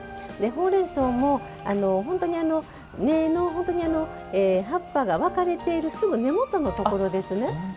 ほうれんそうも本当に、根の葉っぱが分かれているすぐ根元のところですね。